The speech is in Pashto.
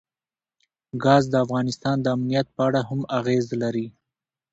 ګاز د افغانستان د امنیت په اړه هم اغېز لري.